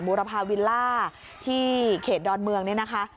ูรพาวิลล่าที่เขตดอนเมืองเนี่ยนะคะ